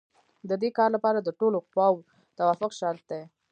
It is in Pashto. د دې کار لپاره د ټولو خواوو توافق شرط دی